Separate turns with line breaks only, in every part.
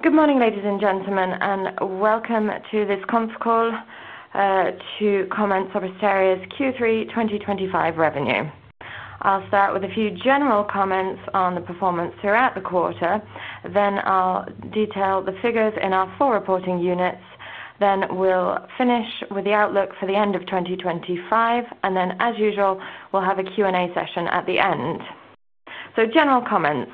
Good morning, ladies and gentlemen, and welcome to this conference call to comment on Sopra Steria's Q3 2025 revenue. I'll start with a few general comments on the performance throughout the quarter. I'll detail the figures in our four reporting units. We'll finish with the outlook for the end of 2025. As usual, we'll have a Q&A session at the end. General comments.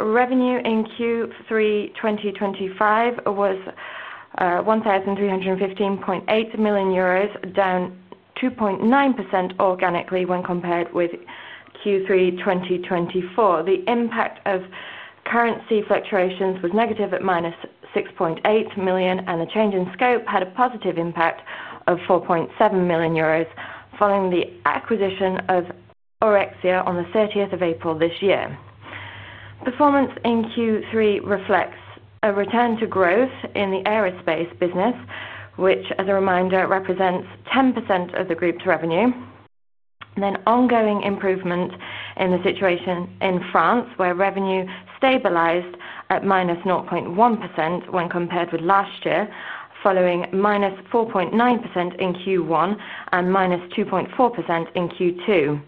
Revenue in Q3 2025 was 1,315.8 million euros, down 2.9% organically when compared with Q3 2024. The impact of currency fluctuations was negative at -6.8 million, and the change in scope had a positive impact of 4.7 million euros following the acquisition of Aurexia on the 30th of April this year. Performance in Q3 reflects a return to growth in the aerospace business, which, as a reminder, represents 10% of the group's revenue. There's ongoing improvement in the situation in France, where revenue stabilized at -0.1% when compared with last year, following -4.9% in Q1 and -2.4% in Q2.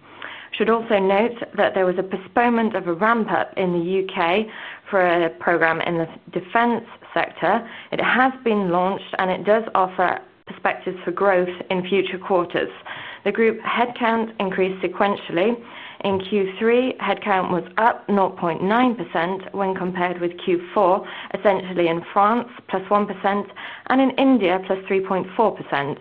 There was also a postponement of a ramp-up in the U.K. for a program in the defense sector. It has been launched, and it does offer perspectives for growth in future quarters. The group headcount increased sequentially. In Q3, headcount was up 0.9% when compared with Q4, essentially in France +1% and in India +3.4%.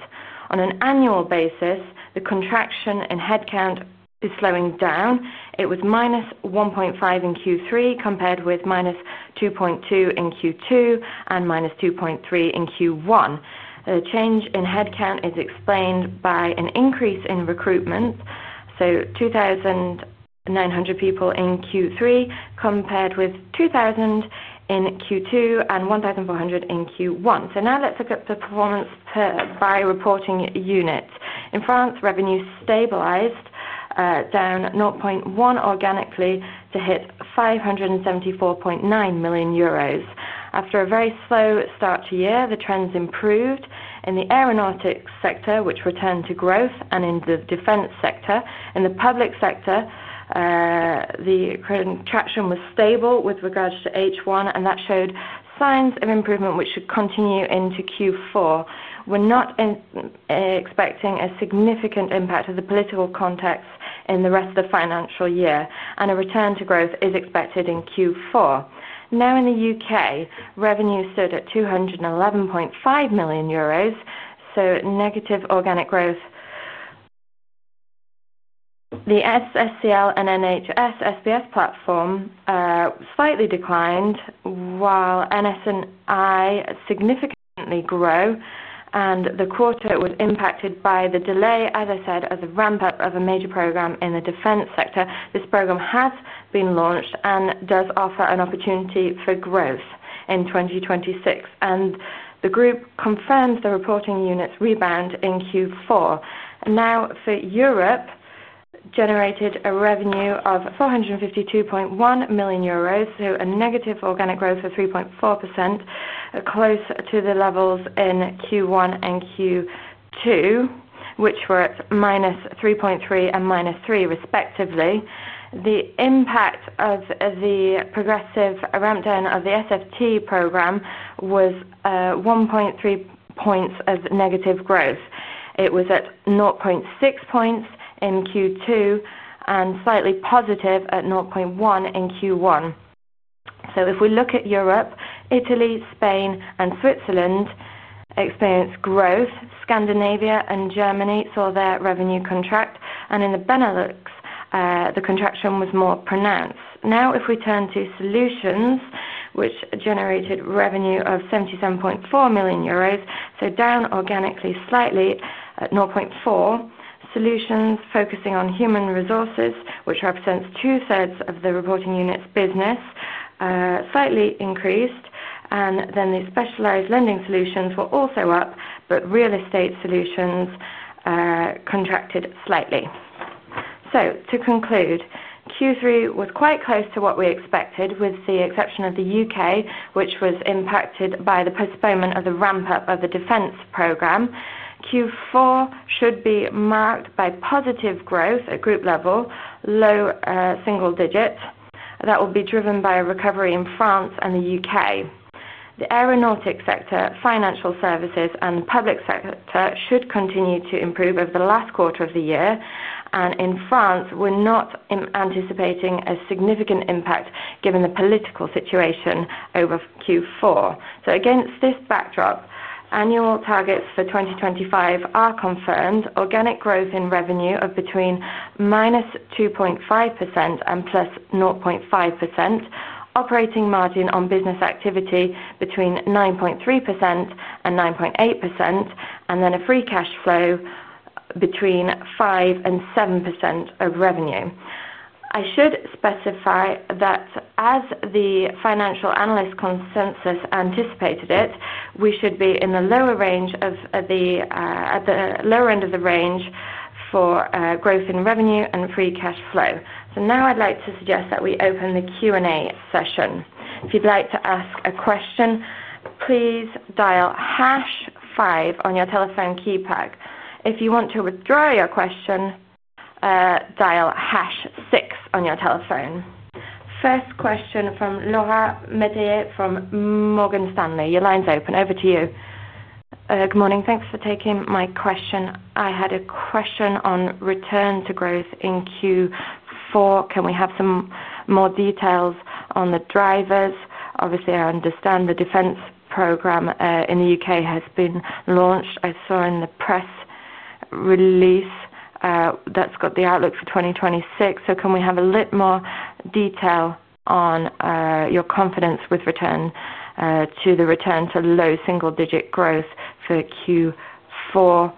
On an annual basis, the contraction in headcount is slowing down. It was -1.5% in Q3 compared with -2.2% in Q2 and -2.3% in Q1. The change in headcount is explained by an increase in recruitment. 2,900 people in Q3 compared with 2,000 in Q2 and 1,400 in Q1. Now let's look at the performance by reporting unit. In France, revenue stabilized, down 0.1% organically to hit 574.9 million euros. After a very slow start to the year, the trends improved in the aeronautics sector, which returned to growth, and in the defense sector. In the public sector, the contraction was stable with regards to H1, and that showed signs of improvement, which should continue into Q4. We're not expecting a significant impact of the political context in the rest of the financial year, and a return to growth is expected in Q4. Now in the U.K., revenue stood at 211.5 million euros, so negative organic growth. The SSCL and NHS SBS platform slightly declined, while NS&I significantly grew. The quarter was impacted by the delay, as I said, of the ramp-up of a major program in the defense sector. This program has been launched and does offer an opportunity for growth in 2026. The group confirmed the reporting unit's rebound in Q4. Now for Europe, generated a revenue of 452.1 million euros, so a negative organic growth of 3.4%, close to the levels in Q1 and Q2, which were at -3.3% and -3%, respectively. The impact of the progressive ramp-down of the SFT program was 1.3 points of negative growth. It was at 0.6 points in Q2 and slightly positive at 0.1 in Q1. If we look at Europe, Italy, Spain, and Switzerland experienced growth. Scandinavia and Germany saw their revenue contract. In the Benelux, the contraction was more pronounced. If we turn to solutions, which generated revenue of 77.4 million euros, so down organically slightly at 0.4%. Solutions, focusing on human resources, which represents 2/3 of the reporting unit's business, slightly increased. The specialized lending solutions were also up, but real estate solutions contracted slightly. To conclude, Q3 was quite close to what we expected with the exception of the U.K., which was impacted by the postponement of the ramp-up of the defense program. Q4 should be marked by positive growth at group level, low single digit. That will be driven by a recovery in France and the U.K. The aeronautics sector, financial services, and the public sector should continue to improve over the last quarter of the year. In France, we're not anticipating a significant impact given the political situation over Q4. Against this backdrop, annual targets for 2025 are confirmed: organic growth in revenue of between -2.5% and +0.5%, operating margin on business activity between 9.3% and 9.8%, and a free cash flow between 5% and 7% of revenue. I should specify that as the financial analyst consensus anticipated it, we should be at the lower end of the range for growth in revenue and free cash flow. Now I'd like to suggest that we open the Q&A session.
If you'd like to ask a question, please dial #5 on your telephone keypad. If you want to withdraw your question, dial #6 on your telephone. First question from Laura Metayer from Morgan Stanley. Your line's open. Over to you.
Good morning. Thanks for taking my question. I had a question on return to growth in Q4. Can we have some more details on the drivers? Obviously, I understand the defense program in the U.K. has been launched. I saw in the press release that's got the outlook for 2026. Can we have a little more detail on your confidence with return to the return to low single-digit growth for Q4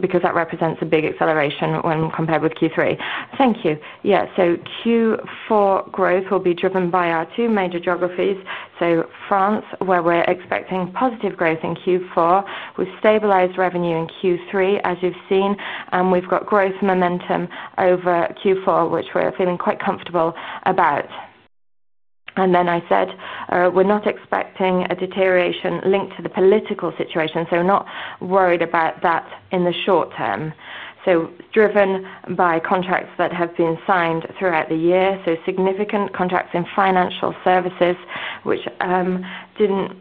because that represents a big acceleration when compared with Q3?
Thank you. Yeah. Q4 growth will be driven by our two major geographies. France, where we're expecting positive growth in Q4, we've stabilized revenue in Q3, as you've seen, and we've got growth momentum over Q4, which we're feeling quite comfortable about. I said we're not expecting a deterioration linked to the political situation, so we're not worried about that in the short term. Driven by contracts that have been signed throughout the year, significant contracts in financial services, which didn't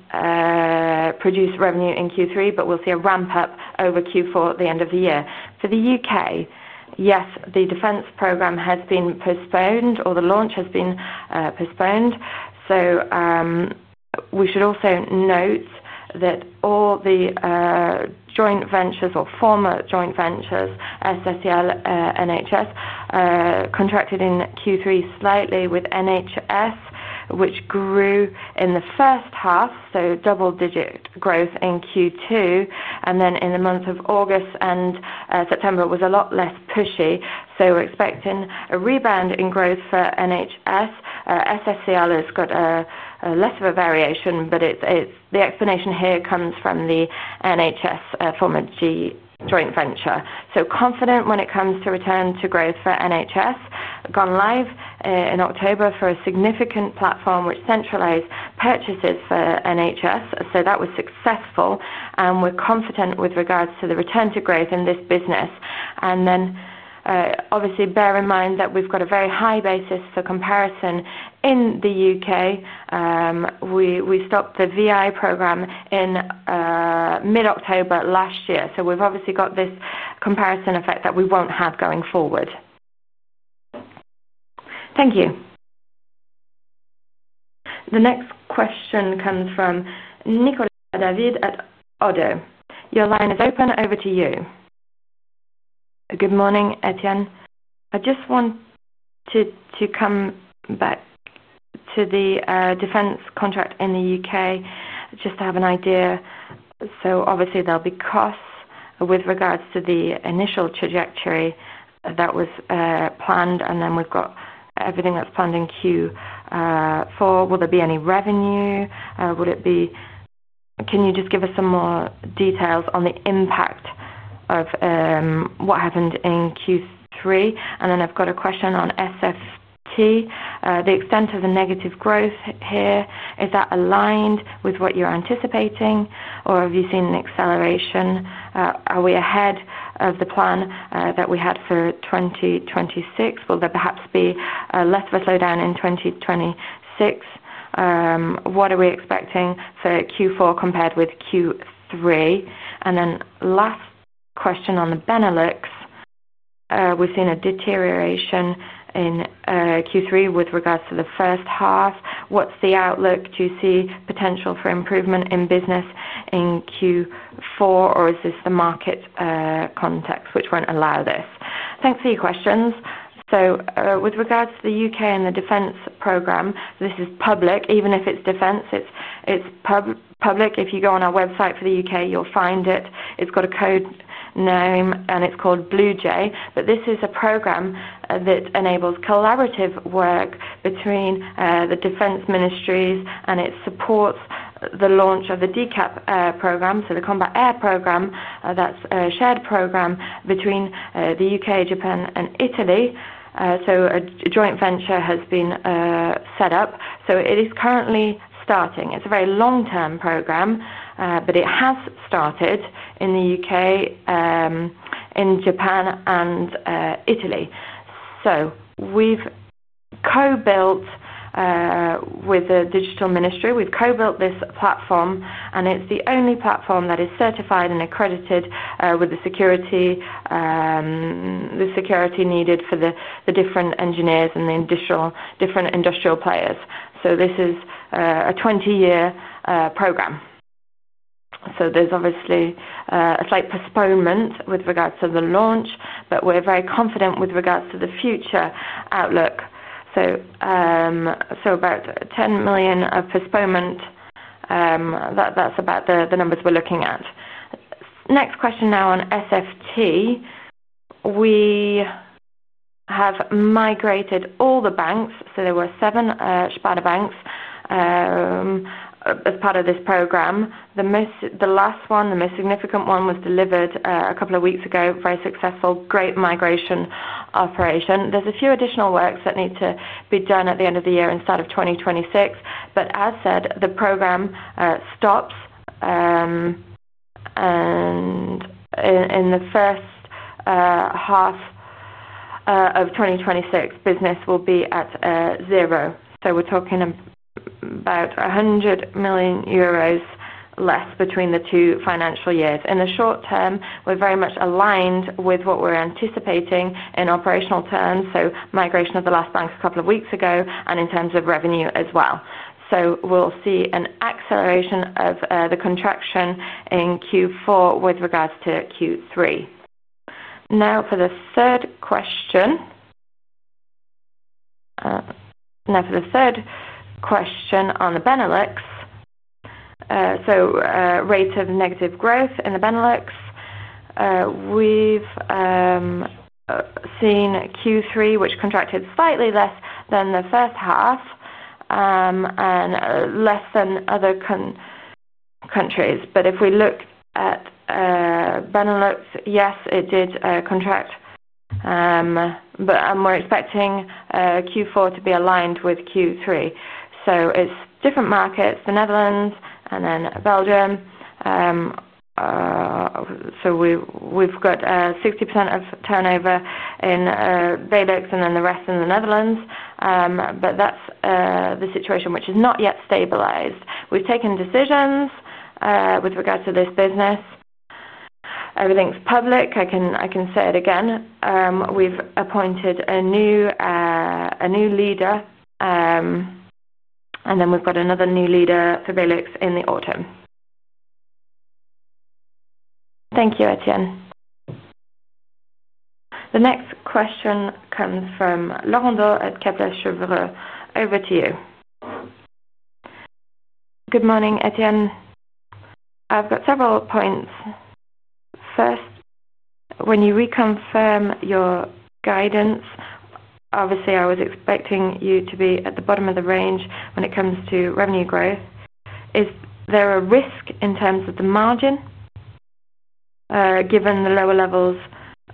produce revenue in Q3, but we'll see a ramp-up over Q4 at the end of the year. For the U.K., yes, the defense program has been postponed, or the launch has been postponed. We should also note that all the joint ventures or former joint ventures, SSCL, NHS, contracted in Q3 slightly with NHS, which grew in the first half, so double-digit growth in Q2. In the months of August and September, it was a lot less pushy. We're expecting a rebound in growth for NHS. SSCL has got less of a variation, but the explanation here comes from the NHS former joint venture. Confident when it comes to return to growth for NHS. Gone live in October for a significant platform which centralized purchases for NHS. That was successful. We're confident with regards to the return to growth in this business. Obviously, bear in mind that we've got a very high basis for comparison in the U.K. We stopped the VI program in mid-October last year. We've obviously got this comparison effect that we won't have going forward.
Thank you.
The next question comes from Nicolas David at ODDO. Your line is open. Over to you.
Good morning, Etienne. I just want to come back to the defense contract in the U.K. just to have an idea. Obviously, there'll be costs with regards to the initial trajectory that was planned, and then we've got everything that's planned in Q4. Will there be any revenue? Can you just give us some more details on the impact of what happened in Q3? I've got a question on SFT. The extent of the negative growth here, is that aligned with what you're anticipating, or have you seen an acceleration? Are we ahead of the plan that we had for 2026? Will there perhaps be less of a slowdown in 2026? What are we expecting for Q4 compared with Q3? Last question on the Benelux. We've seen a deterioration in Q3 with regards to the first half. What's the outlook? Do you see potential for improvement in business in Q4, or is this the market context which won't allow this?
Thanks for your questions. With regards to the U.K. and the defense program, this is public. Even if it's defense, it's public. If you go on our website for the U.K., you'll find it. It's got a code name, and it's called Bluejay. This is a program that enables collaborative work between the defense ministries, and it supports the launch of the DCAP program, the Combat Air Program. That's a shared program between the U.K., Japan, and Italy. A joint venture has been set up. It is currently starting. It's a very long-term program, but it has started in the U.K., in Japan, and Italy. We've co-built with the Digital Ministry. We've co-built this platform, and it's the only platform that is certified and accredited with the security needed for the different engineers and the different industrial players. This is a 20-year program. There's obviously a slight postponement with regards to the launch, but we're very confident with regards to the future outlook. About 10 million of postponement, that's about the numbers we're looking at. Next question now on SFT. We have migrated all the banks. There were seven Sparda banks as part of this program. The last one, the most significant one, was delivered a couple of weeks ago. Very successful. Great migration operation. There's a few additional works that need to be done at the end of the year instead of 2026. As said, the program stops in the first half of 2026. Business will be at zero. We're talking about 100 million euros less between the two financial years. In the short term, we're very much aligned with what we're anticipating in operational terms, so migration of the last banks a couple of weeks ago, and in terms of revenue as well. We'll see an acceleration of the contraction in Q4 with regards to Q3. Now for the third question on the Benelux. Rate of negative growth in the Benelux. We've seen Q3, which contracted slightly less than the first half and less than other countries. If we look at Benelux, yes, it did contract. We're expecting Q4 to be aligned with Q3. It's different markets, the Netherlands and then Belgium. We've got 60% of turnover in Benelux and then the rest in the Netherlands. That's the situation, which is not yet stabilized. We've taken decisions with regards to this business. Everything's public. I can say it again. We've appointed a new leader. We've got another new leader for Benelux in the autumn.
Thank you, Etienne.
The next question comes from Laurent Daure at Kepler Chevreux. Over to you.
Good morning, Etienne. I've got several points. First, when you reconfirm your guidance, obviously, I was expecting you to be at the bottom of the range when it comes to revenue growth. Is there a risk in terms of the margin given the lower levels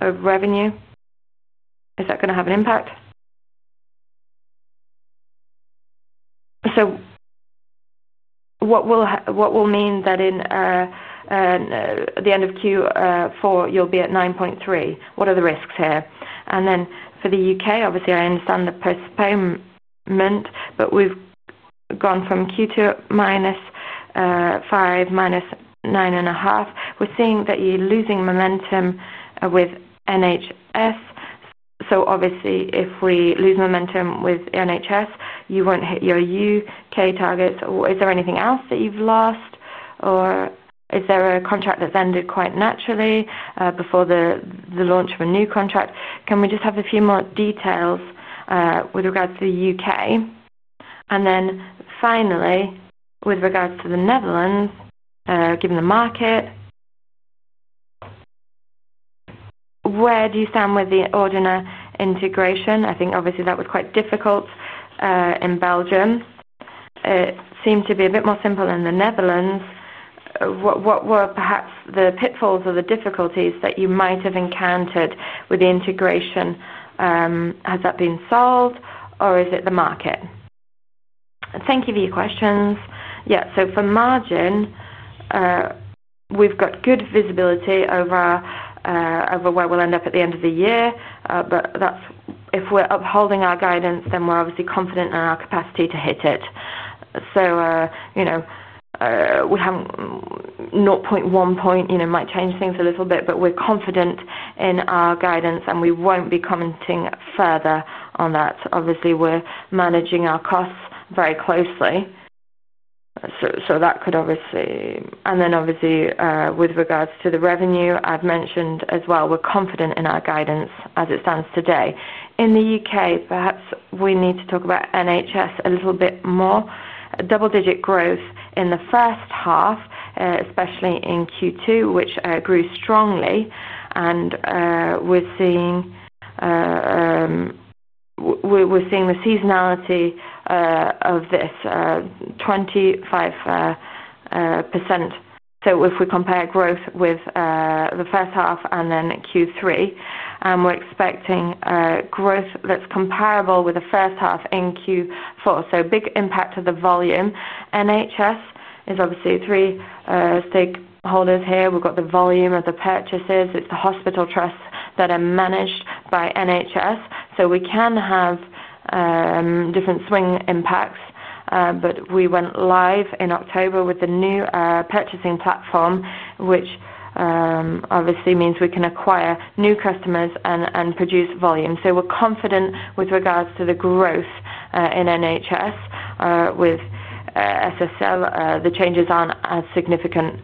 of revenue? Is that going to have an impact? What will mean that at the end of Q4, you'll be at 9.3%? What are the risks here? For the U.K., obviously, I understand the postponement, but we've gone from Q2 -5%, -9.5%. We're seeing that you're losing momentum with NHS. If we lose momentum with NHS, you won't hit your U.K. targets. Is there anything else that you've lost, or is there a contract that's ended quite naturally before the launch of a new contract? Can we just have a few more details with regards to the U.K.? Finally, with regards to the Netherlands, given the market, where do you stand with the Ordina integration? I think, obviously, that was quite difficult in Belgium. It seemed to be a bit more simple in the Netherlands. What were perhaps the pitfalls or the difficulties that you might have encountered with the integration? Has that been solved, or is it the market?
Thank you for your questions. Yeah. For margin, we've got good visibility over where we'll end up at the end of the year. If we're upholding our guidance, then we're obviously confident in our capacity to hit it. 0.1% might change things a little bit, but we're confident in our guidance, and we won't be commenting further on that. Obviously, we're managing our costs very closely. That could obviously. With regards to the revenue, I've mentioned as well, we're confident in our guidance as it stands today. In the U.K., perhaps we need to talk about NHS a little bit more. Double-digit growth in the first half, especially in Q2, which grew strongly. We're seeing the seasonality of this, 25%. If we compare growth with the first half and then Q3, we're expecting growth that's comparable with the first half in Q4. Big impact of the volume. NHS is obviously three stakeholders here. We've got the volume of the purchases. It's the hospital trusts that are managed by NHS. We can have different swing impacts. We went live in October with the new purchasing platform, which obviously means we can acquire new customers and produce volume. We're confident with regards to the growth in NHS. With SSCL, the changes aren't as significant.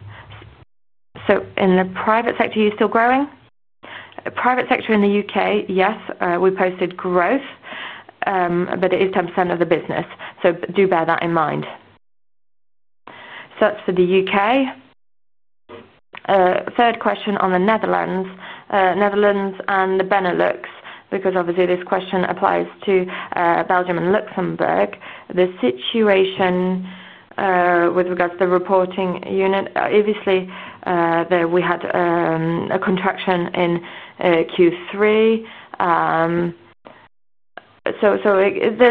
In the private sector, are you still growing? Private sector in the U.K., yes. We posted growth, but it is 10% of the business. Do bear that in mind. That's for the U.K. Third question on the Netherlands and the Benelux because, obviously, this question applies to Belgium and Luxembourg. The situation with regards to the reporting unit, obviously, we had a contraction in Q3.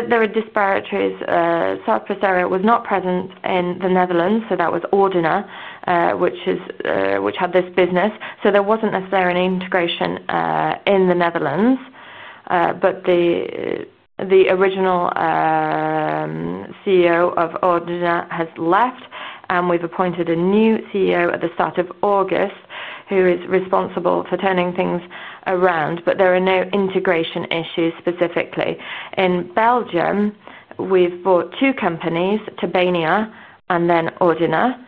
There were disparities. Sopra Steria was not present in the Netherlands, so that was Ordina, which had this business. There wasn't necessarily an integration in the Netherlands. The original CEO of Ordina has left, and we've appointed a new CEO at the start of August who is responsible for turning things around. There are no integration issues specifically. In Belgium, we've bought two companies, Tobania and then Ordina.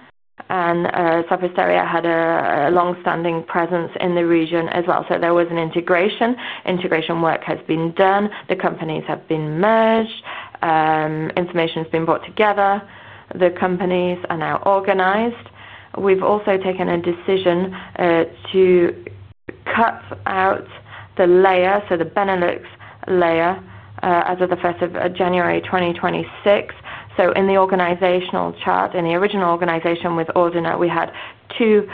Sopra Steria had a longstanding presence in the region as well. There was an integration. Integration work has been done. The companies have been merged. Information has been brought together. The companies are now organized. We've also taken a decision to cut out the layer, the Benelux layer, as of 1st of January 2026. In the organizational chart, in the original organization with Ordina, we had two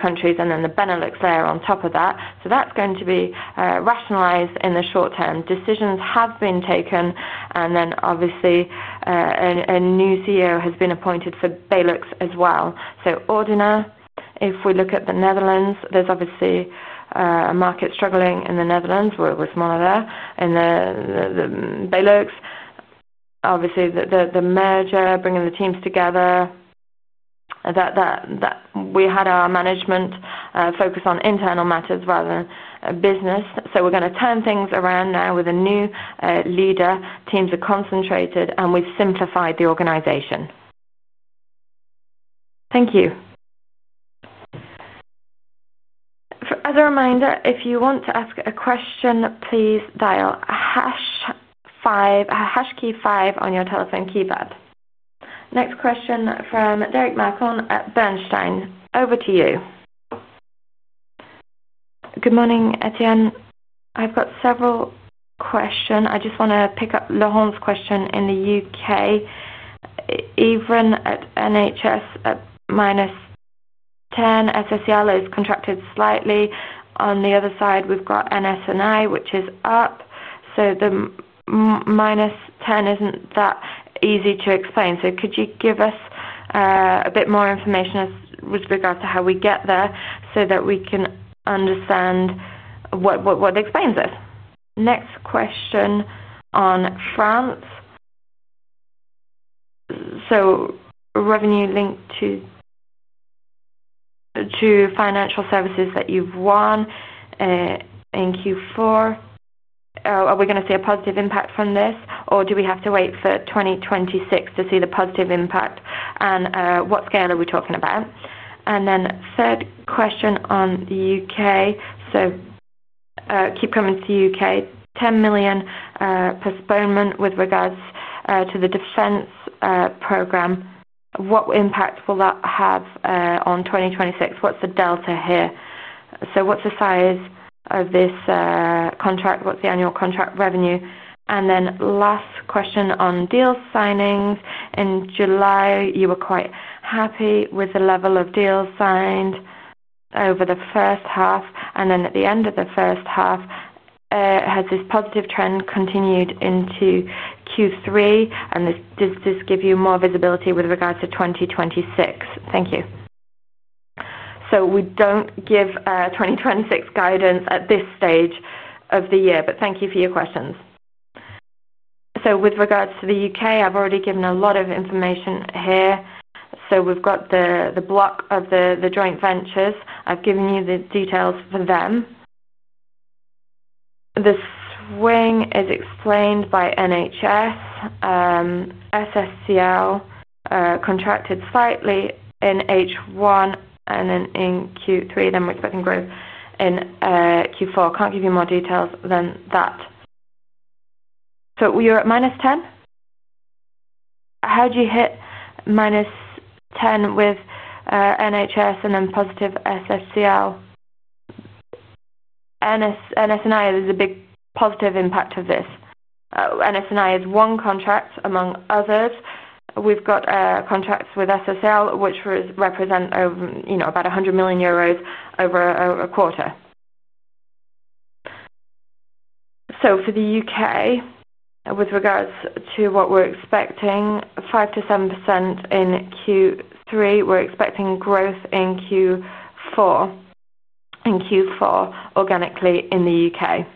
countries and then the Benelux layer on top of that. That's going to be rationalized in the short term. Decisions have been taken. Obviously, a new CEO has been appointed for Benelux as well. If we look at the Netherlands, there's obviously a market struggling in the Netherlands. We're smaller. In the Benelux, the merger, bringing the teams together, we had our management focus on internal matters rather than business. We're going to turn things around now with a new leader. Teams are concentrated, and we've simplified the organization.
Thank you.
As a reminder, if you want to ask a question, please dial #5, #Q5 on your telephone keypad. Next question from Derric Marcon at Bernstein. Over to you.
Good morning, Etienne. I've got several questions. I just want to pick up Laurent's question in the U.K. Even at NHS, at -10%, SSCL has contracted slightly. On the other side, we've got NS&I, which is up. The -10% isn't that easy to explain. Could you give us a bit more information with regards to how we get there so that we can understand what explains it? Next question on France. Revenue linked to financial services that you've won in Q4. Are we going to see a positive impact from this, or do we have to wait for 2026 to see the positive impact, and what scale are we talking about? Third question on the U.K. Keep coming to the U.K. 10 million postponement with regards to the defense program. What impact will that have on 2026? What's the delta here? What's the size of this contract? What's the annual contract revenue? Last question on deal signings. In July, you were quite happy with the level of deals signed over the first half. At the end of the first half, has this positive trend continued into Q3? Does this give you more visibility with regards to 2026? Thank you.
We don't give 2026 guidance at this stage of the year, but thank you for your questions. With regards to the U.K., I've already given a lot of information here. We've got the block of the joint ventures. I've given you the details for them. The swing is explained by NHS. SSCL contracted slightly in H1 and then in Q3. We're expecting growth in Q4. Can't give you more details than that. You're at -10%? How do you hit minus 10 with NHS and then positive SSCL? NS&I is a big positive impact of this. NS&I is one contract among others. We've got contracts with SSCL, which represent about 100 million euros over a quarter. For the U.K., with regards to what we're expecting, 5% to 7% in Q3. We're expecting growth in Q4 organically in the U.K.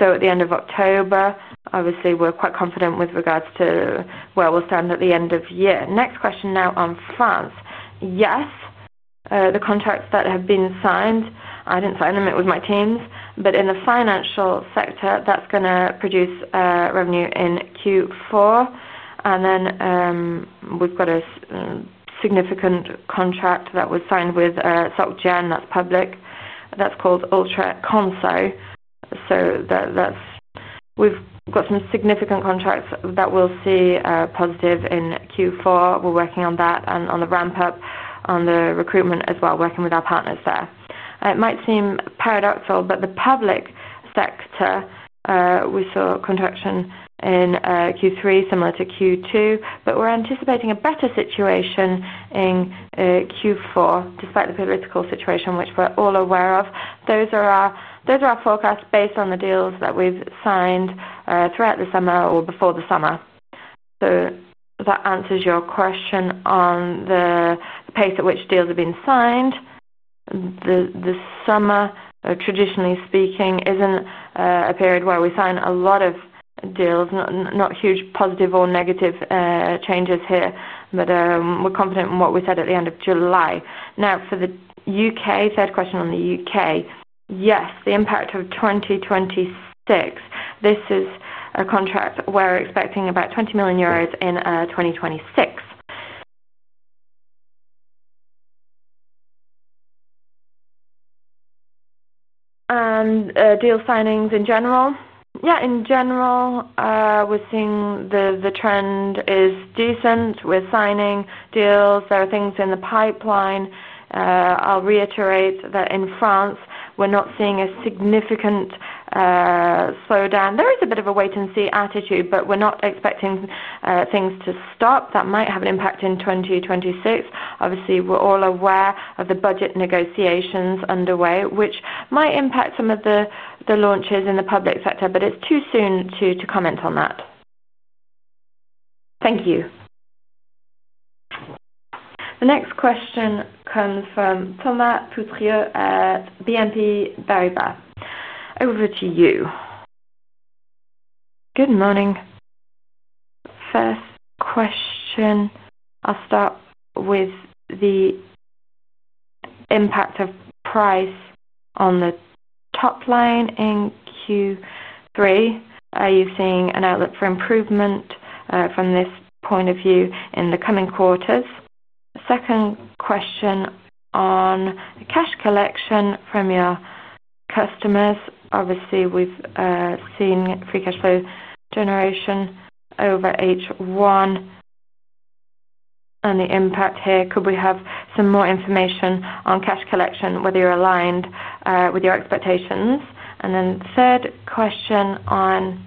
At the end of October, obviously, we're quite confident with regards to where we'll stand at the end of the year. Next question now on France. Yes. The contracts that have been signed, I didn't sign them. It was my team's. In the financial sector, that's going to produce revenue in Q4. We've got a significant contract that was signed with SocGén that's public. That's called [UltraConso]. We've got some significant contracts that we'll see positive in Q4. We're working on that and on the ramp-up on the recruitment as well, working with our partners there. It might seem paradoxical, but the public sector, we saw a contraction in Q3 similar to Q2. We're anticipating a better situation in Q4 despite the political situation, which we're all aware of. Those are our forecasts based on the deals that we've signed throughout the summer or before the summer. That answers your question on the pace at which deals have been signed. The summer, traditionally speaking, isn't a period where we sign a lot of deals. Not huge positive or negative changes here, but we're confident in what we said at the end of July. Now for the U.K., third question on the U.K. Yes. The impact of 2026. This is a contract where we're expecting about 20 million euros in 2026. and deal signings in general? Yeah. In general, we're seeing the trend is decent. We're signing deals. There are things in the pipeline. I'll reiterate that in France, we're not seeing a significant slowdown. There is a bit of a wait-and-see attitude, but we're not expecting things to stop. That might have an impact in 2026. Obviously, we're all aware of the budget negotiations underway, which might impact some of the launches in the public sector, but it's too soon to comment on that.
Thank you.
The next question comes from Thomas Ponthieux at BNP Paribas. Over to you.
Good morning. First question. I'll start with the impact of price on the top line in Q3. Are you seeing an outlook for improvement from this point of view in the coming quarters? Second question on the cash collection from your customers. Obviously, we've seen free cash flow generation over H1, and the impact here. Could we have some more information on cash collection, whether you're aligned with your expectations? Third question on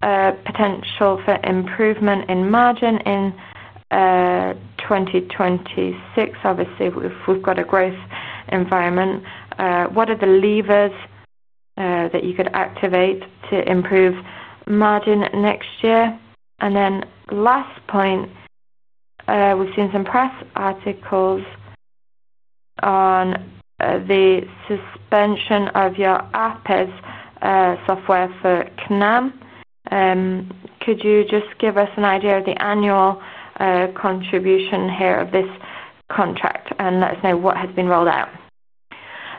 potential for improvement in margin in 2026. Obviously, if we've got a growth environment, what are the levers that you could activate to improve margin next year? Last point. We've seen some press articles on the suspension of your APIS software for CINaM. Could you just give us an idea of the annual contribution here of this contract, and let us know what has been rolled out.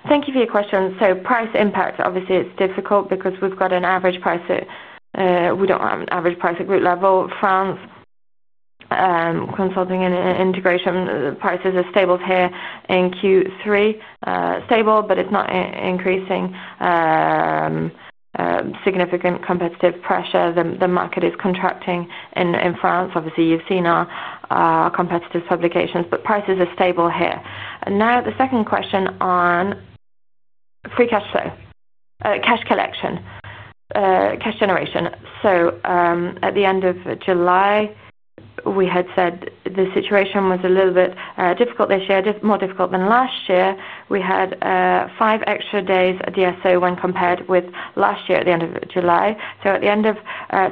Thank you for your question. Price impact, obviously, it's difficult because we've got an average price at, we don't have an average price at group level. France, Consulting and integration prices are stable here in Q3. Stable, but it's not increasing, significant competitive pressure. The market is contracting in France. Obviously, you've seen our competitors' publications, but prices are stable here. Now, the second question on free cash flow, cash collection, cash generation. At the end of July, we had said the situation was a little bit difficult this year, more difficult than last year. We had five extra days of DSO when compared with last year at the end of July. At the end of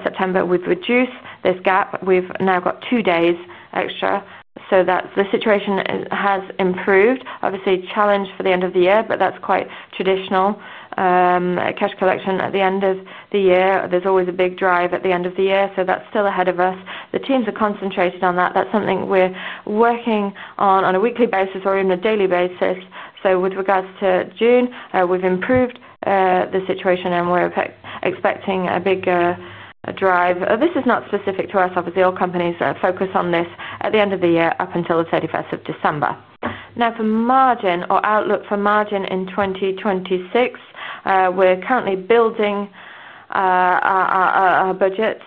September, we've reduced this gap. We've now got two days extra, so the situation has improved. Obviously, challenge for the end of the year, but that's quite traditional. Cash collection at the end of the year, there's always a big drive at the end of the year. That's still ahead of us. The teams are concentrated on that. That's something we're working on on a weekly basis or even a daily basis. With regards to June, we've improved the situation, and we're expecting a bigger drive. This is not specific to us. Obviously, all companies focus on this at the end of the year up until the 31st of December. Now for margin or outlook for margin in 2026, we're currently building our budget.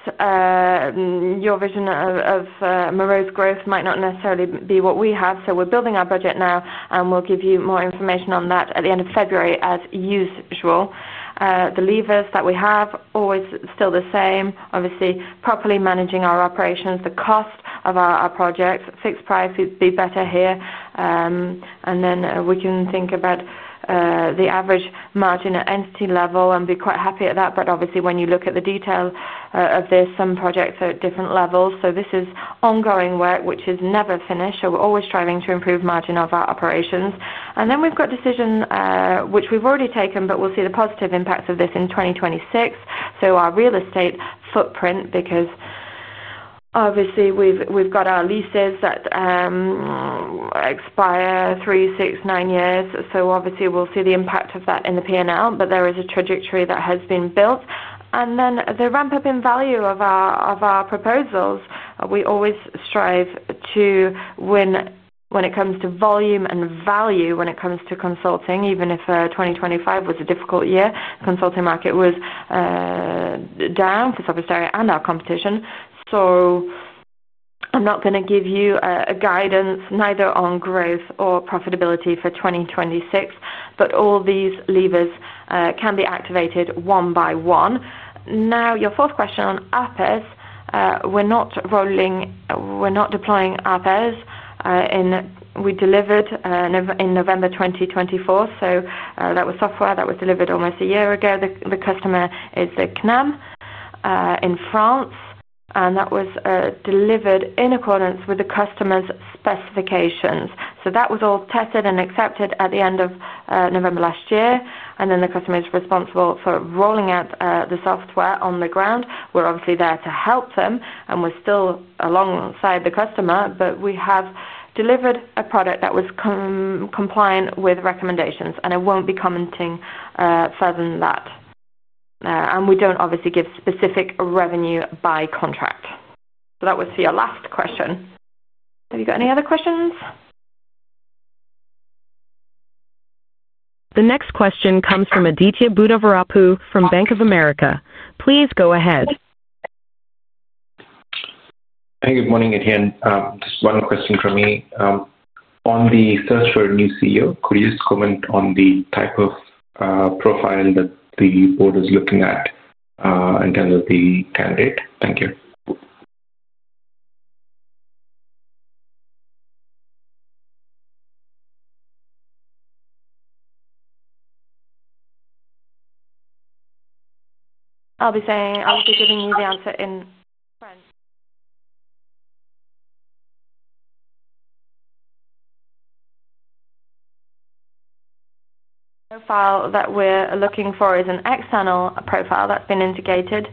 Your vision of morose growth might not necessarily be what we have. We're building our budget now, and we'll give you more information on that at the end of February as usual. The levers that we have are always still the same. Obviously, properly managing our operations, the cost of our projects, fixed price would be better here. Then we can think about the average margin at entity level and be quite happy at that. Obviously, when you look at the detail of this, some projects are at different levels. This is ongoing work, which is never finished. We're always striving to improve margin of our operations. We've got decision, which we've already taken, but we'll see the positive impacts of this in 2026. Our real estate footprint, because obviously, we've got our leases that expire three, six, nine years. Obviously, we'll see the impact of that in the P&L. There is a trajectory that has been built. Then the ramp-up in value of our proposals. We always strive to win when it comes to volume and value when it comes to Consulting, even if 2025 was a difficult year. The Consulting market was down for Sopra Steria and our competition. I'm not going to give you a guidance neither on growth or profitability for 2026, but all these levers can be activated one by one. Now, your fourth question on APIS, we're not rolling, we're not deploying APIS. We delivered in November 2024. That was software that was delivered almost a year ago. The customer is CINaM in France. That was delivered in accordance with the customer's specifications. That was all tested and accepted at the end of November last year. The customer is responsible for rolling out the software on the ground. We're obviously there to help them, and we're still alongside the customer, but we have delivered a product that was compliant with recommendations. I won't be commenting further than that. We don't obviously give specific revenue by contract. That was for your last question. Have you got any other questions?
The next question comes from Aditya Buddhavarapu from Bank of America. Please go ahead.
Hey, good morning, Etienne. Just one question from me. On the search for a new CEO, could you just comment on the type of profile that the board is looking at in terms of the candidate? Thank you.
I'll be giving you the answer in French. the profile that we're looking for is an external profile that's been indicated.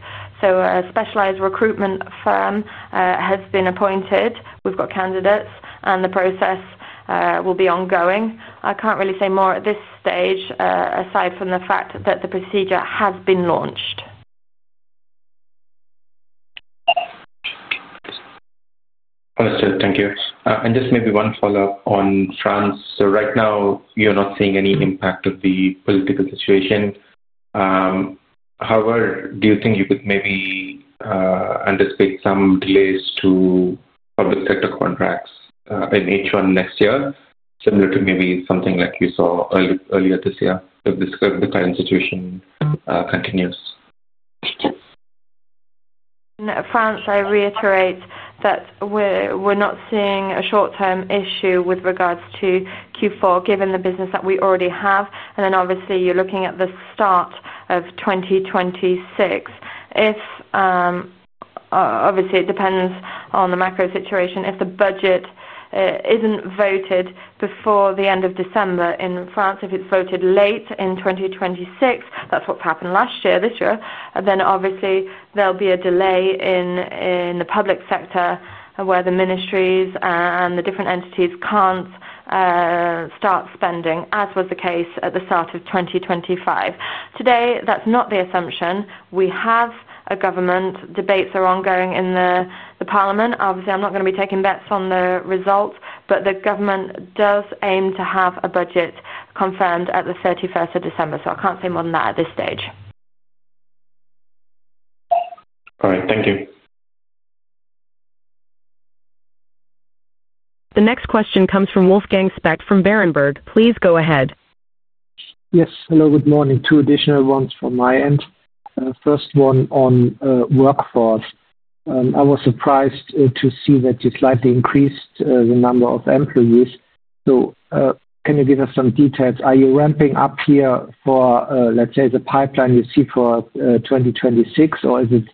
A specialized recruitment firm has been appointed. We've got candidates, and the process will be ongoing. I can't really say more at this stage aside from the fact that the procedure has been launched.
Understood. Thank you. Just maybe one follow-up on France. Right now, you're not seeing any impact of the political situation. However, do you think you could maybe anticipate some delays to public sector contracts in H1 next year, similar to maybe something like you saw earlier this year if the current situation continues?
In France, I reiterate that we're not seeing a short-term issue with regards to Q4 given the business that we already have. Obviously, you're looking at the start of 2026. It depends on the macro situation. If the budget isn't voted before the end of December in France, if it's voted late in 2026, that's what's happened last year, this year, then there'll be a delay in the public sector where the ministries and the different entities can't start spending, as was the case at the start of 2025. Today, that's not the assumption. We have a government. Debates are ongoing in the parliament. I'm not going to be taking bets on the results, but the government does aim to have a budget confirmed at the 31st of December. I can't say more than that at this stage.
All right. Thank you.
The next question comes from Wolfgang Specht from Berenberg. Please go ahead.
Yes. Hello. Good morning. Two additional ones from my end. First one on workforce. I was surprised to see that you slightly increased the number of employees. Can you give us some details? Are you ramping up here for, let's say, the pipeline you see for 2026, or is it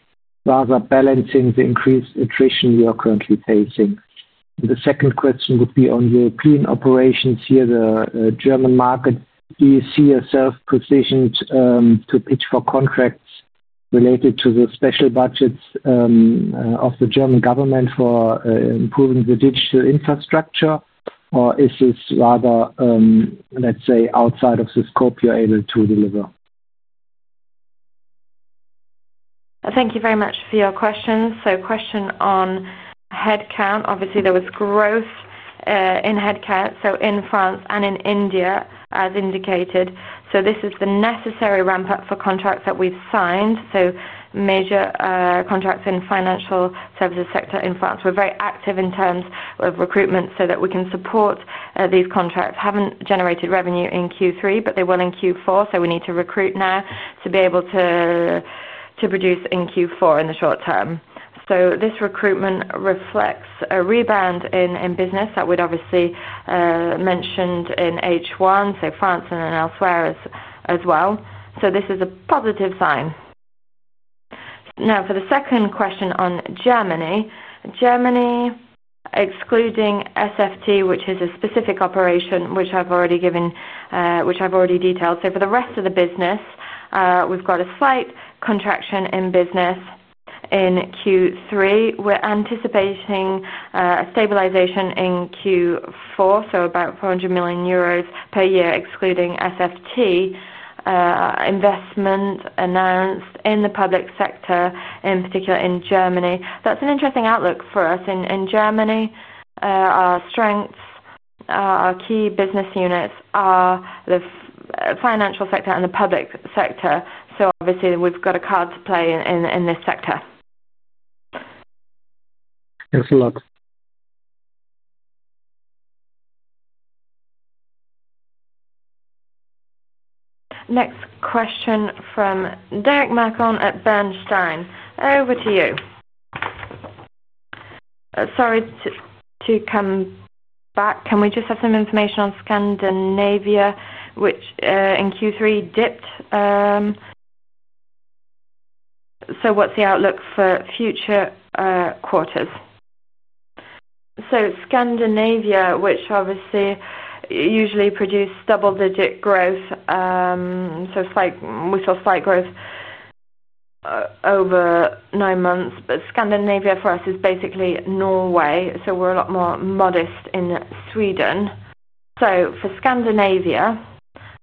rather balancing the increased attrition you are currently facing? The second question would be on European operations here, the German market. Do you see yourself positioned to pitch for contracts related to the special budgets of the German government for improving the digital infrastructure, or is this rather, let's say, outside of the scope you're able to deliver?
Thank you very much for your question. Question on headcount. Obviously, there was growth in headcount in France and in India, as indicated. This is the necessary ramp-up for contracts that we've signed. Major contracts in the financial services sector in France. We're very active in terms of recruitment so that we can support these contracts. Haven't generated revenue in Q3, but they will in Q4. We need to recruit now to be able to produce in Q4 in the short term. This recruitment reflects a rebound in business that we'd obviously mentioned in H1, France and then elsewhere as well. This is a positive sign. For the second question on Germany, Germany excluding SFT, which is a specific operation which I've already detailed. For the rest of the business, we've got a slight contraction in business in Q3. We're anticipating a stabilization in Q4, about 400 million euros per year excluding SFT. Investment announced in the public sector, in particular in Germany. That's an interesting outlook for us. In Germany, our strengths, our key business units are the financial sector and the public sector. Obviously, we've got a card to play in this sector.
Thanks a lot.
Next question from Derric Marcon at Bernstein. Over to you.
Sorry to come back. Can we just have some information on Scandinavia, which in Q3 dipped? What's the outlook for future quarters?
Scandinavia, which obviously usually produced double-digit growth, saw slight growth over nine months. Scandinavia for us is basically Norway. We're a lot more modest in Sweden. For Scandinavia,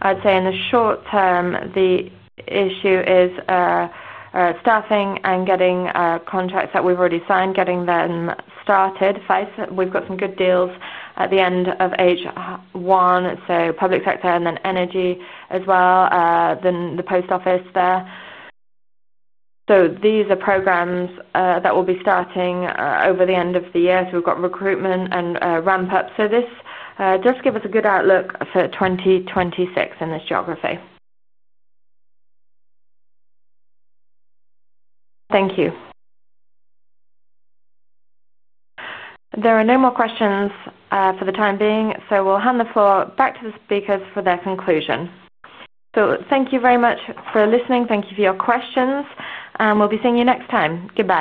I'd say in the short term, the issue is staffing and getting contracts that we've already signed, getting them started. We've got some good deals at the end of H1, public sector and then energy as well, then the post office there. These are programs that will be starting over the end of the year. We've got recruitment and ramp-up. This does give us a good outlook for 2026 in this geography.
Thank you.
There are no more questions for the time being. We'll hand the floor back to the speakers for their conclusion.
Thank you very much for listening. Thank you for your questions. We'll be seeing you next time. Goodbye.